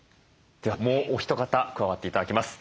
ではもうお一方加わって頂きます。